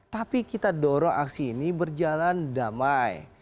tapi kita dorong aksi ini berjalan damai